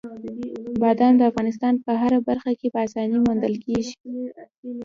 بادام د افغانستان په هره برخه کې په اسانۍ موندل کېږي.